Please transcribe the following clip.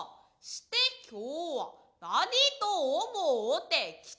して今日は何と思うて来た。